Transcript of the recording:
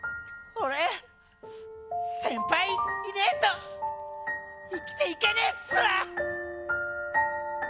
俺先輩いねえと生きていけねっす！